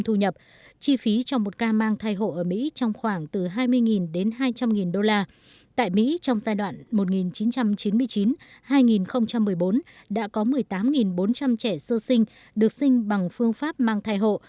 tại mỹ trong giai đoạn một nghìn chín trăm chín mươi chín hai nghìn một mươi bốn đã có một mươi tám bốn trăm linh trẻ sơ sinh được sinh bằng phương pháp mang thai hộ